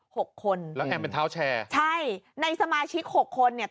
หกคนแล้วแอมเป็นเท้าแชร์ใช่ในสมาชิกหกคนเนี่ย